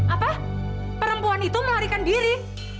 apa perempuan itu melarikan diri